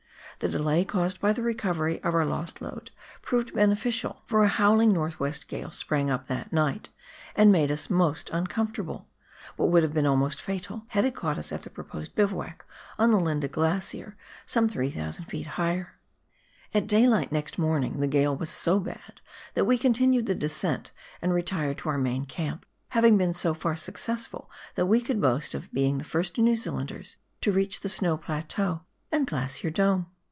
The delay caused by the recovery of our lost load proved beneficial, for a howling north west gale sprang up that night and made us most uncomfortable, but would have been almost fatal had it caught us at our proposed bivouac on the Linda Glacier some 3,000 ft. higher. At daylight next morning the gale was so bad that we continued the descent and retired to our main camp, having been so far successful that we could boast of being the first New Zealanders to reach the Snow Plateau and Glacier Dome.